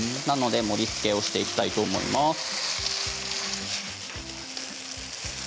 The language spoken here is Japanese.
盛りつけをしていきたいと思います。